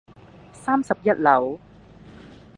三十一樓